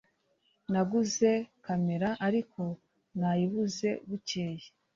Naguze kamera, ariko nayibuze bukeye.